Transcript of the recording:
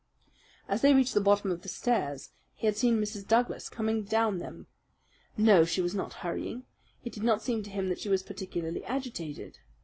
As they reached the bottom of the stairs he had seen Mrs. Douglas coming down it. No, she was not hurrying; it did not seem to him that she was particularly agitated.